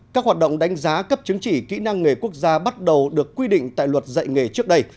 các hoạt động đánh giá cấp chứng chỉ kỹ năng nghề quốc gia bắt đầu được quy định tại luật dạy nghề trước đây